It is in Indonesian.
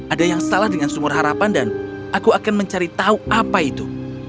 ada yang salah dengan sumur harapan dan aku akan mencari tahu apa itu